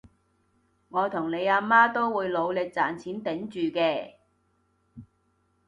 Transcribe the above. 我同你阿媽都會努力賺錢頂住嘅